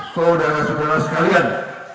saudara saudara sekalian